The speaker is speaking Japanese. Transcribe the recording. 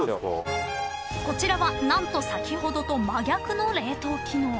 ［こちらは何と先ほどと真逆の冷凍機能］